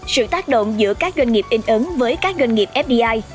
sự tác động giữa các doanh nghiệp in ứng với các doanh nghiệp fdi